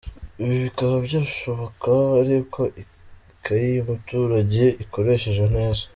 Ibi bikaba byashoboka ari uko ikaye y’umuturage ikoreshejwe neza.